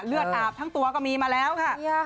เลือดอาบทั้งตัวก็มีมาแล้วค่ะ